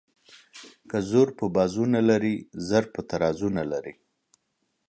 ـ که زور په بازو نه لري زر په ترازو نه لري.